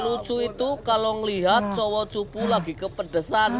lucu itu kalo ngelihat cowok kupu lagi kepedesan